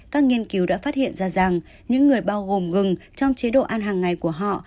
các nghiên cứu đã phát hiện ra rằng những người bao gồm gừng trong chế độ ăn hàng ngày của họ